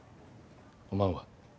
おまんは？